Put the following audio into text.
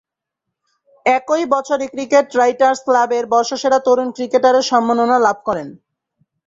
একই বছরে cricket writers ক্লাবের বর্ষসেরা তরুণ ক্রিকেটারের সম্মাননা লাভ করেন।